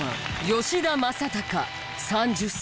吉田正尚３０歳。